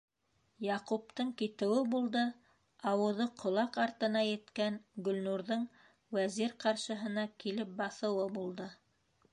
Яҡуптың китеүе булды, ауыҙы ҡолаҡ артына еткән Гөлнурҙың Вәзир ҡаршыһына килеп баҫыуы булды.